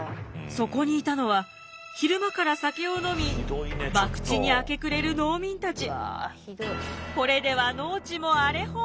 そこにいたのは昼間から酒を飲み博打に明け暮れる農民たち。